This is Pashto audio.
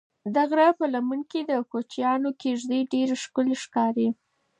د غره په لمنه کې د کوچیانو کيږدۍ ډېرې ښکلي ښکاري.